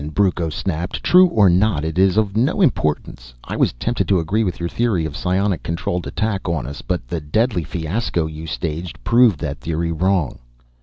Brucco snapped. "True or not, it is of no importance. I was tempted to agree with your theory of psionic controlled attack on us, but the deadly fiasco you staged proved that theory wrong."